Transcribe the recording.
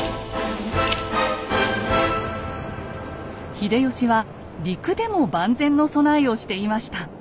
秀吉は陸でも万全の備えをしていました。